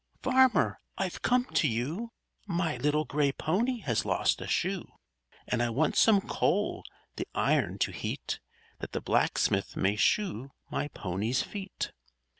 Farmer! I've come to you; My little gray pony has lost a shoe! And I want some coal the iron to heat, That the blacksmith may shoe my pony's feet_."